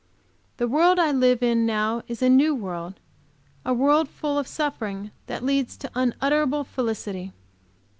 The world I live in now is a new world; a world full of suffering that leads to unutterable felicity.